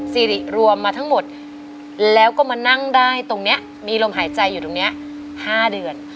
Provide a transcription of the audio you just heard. สิริรวมมาทั้งหมดแล้วก็มานั่งได้ตรงนี้มีลมหายใจอยู่ตรงนี้๕เดือน